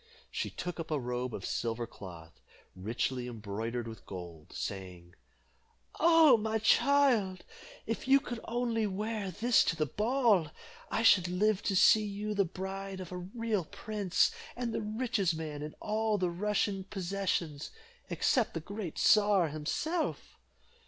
She took up a robe of silver cloth, richly embroidered with gold, saying, "Oh! my child, if you could only wear this to the ball, I should live to see you the bride of a real prince, and the richest man in all the Russian possessions, except the great czar himself."